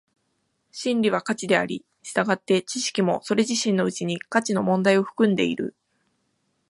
真理は価値であり、従って知識もそれ自身のうちに価値の問題を含んでいる。